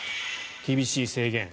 厳しい制限。